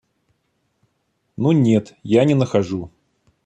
Ну, нет, я не нахожу.